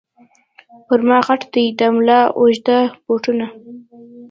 پر ما غټ دي د مُلا اوږده بوټونه